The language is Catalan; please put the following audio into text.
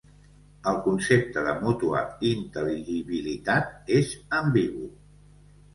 El concepte de mútua intel·ligibilitat és ambigu.